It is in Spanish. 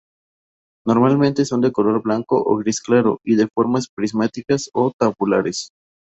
Normalmente son de color blanco o gris claro y de formas prismáticas o tabulares.